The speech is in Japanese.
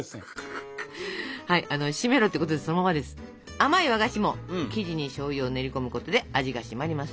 甘い和菓子も生地にしょうゆを練り込むことで味がシマります。